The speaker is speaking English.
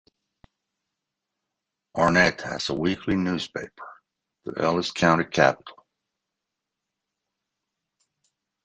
Arnett has a weekly newspaper, "The Ellis County Capital".